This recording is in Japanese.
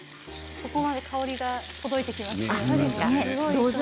ここまで香りが届いてきます。